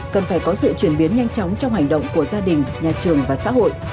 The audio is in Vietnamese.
cần phải có sự chuyển biến nhanh chóng trong hành động của gia đình nhà trường và xã hội